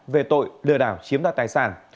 về tội lừa đảo chiếm đoạt tài sản